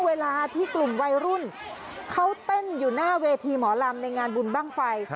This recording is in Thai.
เวลาที่กลุ่มวัยรุ่นเขาเต้นอยู่หน้าเวทีหมอลำในงานบุญบ้างไฟ